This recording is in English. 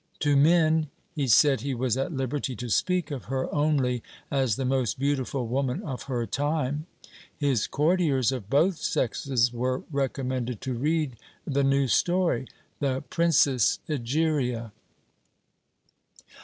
To men he said he was at liberty to speak of her only as the most beautiful woman of her time. His courtiers of both sexes were recommended to read the new story, THE PRINCESS EGERIA.